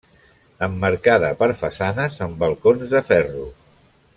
Emmarcada per façanes amb balcons de ferro.